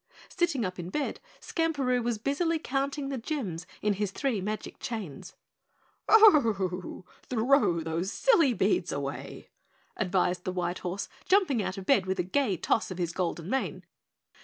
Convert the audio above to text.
Sitting up in bed, Skamperoo was busily counting the gems in his three magic chains. "Ho, throw those silly beads away!" advised the white horse, jumping out of bed with a gay toss of his golden mane.